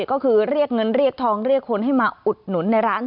ก็คือเรียกเงินเรียกทองเรียกคนให้มาอุดหนุนในร้าน